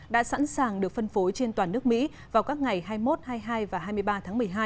đã sẵn sàng được phân phối trên toàn nước mỹ vào các ngày hai mươi một hai mươi hai và hai mươi ba tháng một mươi hai